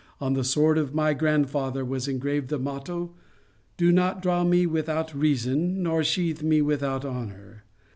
On the sword of my grandfather was engraved the motto, c Do not draw me without reason nor sheathe me without honour